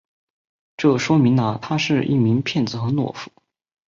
这说明了他是一名骗子和懦夫。